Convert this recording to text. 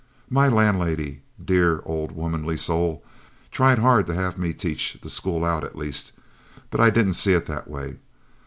My landlady, dear old womanly soul, tried hard to have me teach the school out at least, but I didn't see it that way.